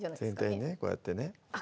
全体にねこうやってねあっ